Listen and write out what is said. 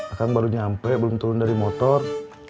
akan baru nyampe belum turun dari motor